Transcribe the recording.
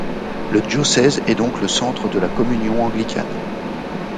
Le diocèse est donc le centre de la Communion anglicane.